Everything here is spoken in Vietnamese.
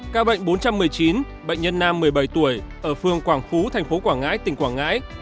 các bệnh bốn trăm một mươi chín bệnh nhân nam một mươi bảy tuổi ở phường quảng phú tp quảng ngãi tỉnh quảng ngãi